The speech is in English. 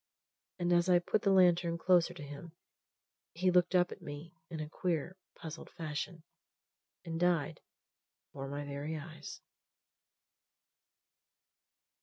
And as I put the lantern closer to him he looked up at me in a queer, puzzled fashion, and died before my very eyes.